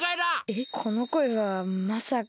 えっこのこえはまさか。